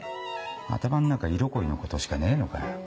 頭の中色恋のことしかねえのかよ。